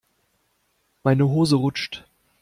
Meine Hose rutscht.